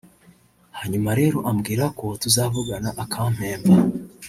hanyuma rero ambwira ko tuzavugana akampemba